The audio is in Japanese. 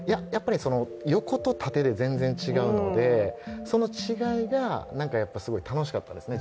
横と縦で全然違うので、その違いが楽しかったですね